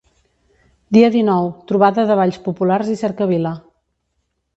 Dia dinou: trobada de Balls populars i cercavila.